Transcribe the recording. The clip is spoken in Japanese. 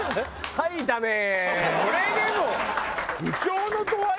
はいダメー！